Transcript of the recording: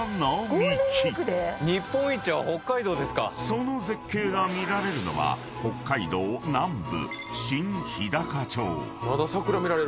［その絶景が見られるのは北海道南部］